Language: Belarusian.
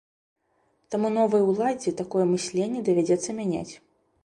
Таму новай уладзе такое мысленне давядзецца мяняць.